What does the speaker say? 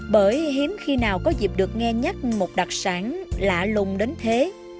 bởi hiếm khi nào có dịp được nghe nhắc một đặc sản lạ lùng đến thế